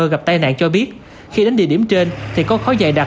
gặp tai nạn cho biết khi đến địa điểm trên thì có khói dài đặc